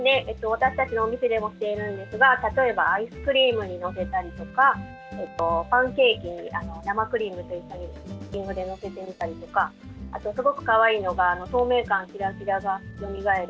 私たちのお店でも売っているんですが例えばアイスクリームに載せたりとかパンケーキに生クリームと一緒にトッピングで載せてみたりとかあとは、すごくかわいいのが透明感、キラキラがよみがえる